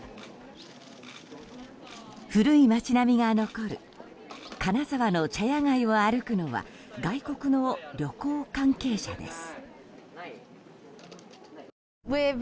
古い街並みが残る金沢の茶屋街を歩くのは外国の旅行関係者です。